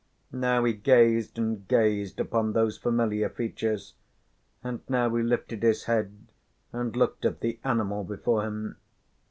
Now he gazed and gazed upon those familiar features, and now he lifted his head and looked at the animal before him.